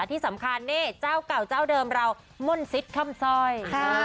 ที่สำคัญนี่เจ้าเก่าเจ้าเดิมเราม่นซิตค่อมสร้อย